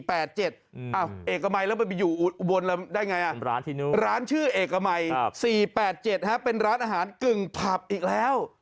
เอกมัยแล้วมันไปอยู่อุบลแล้วได้ไงร้านชื่อเอกมัย๔๘๗เป็นร้านอาหารกึ่งผับอีกแล้ว